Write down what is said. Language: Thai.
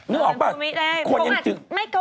นึกออกป่ะคนยังถือ